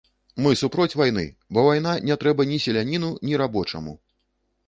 Мы супроць вайны, бо вайна не трэба ні селяніну, ні рабочаму.